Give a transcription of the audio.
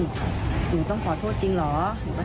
พนักงานในร้าน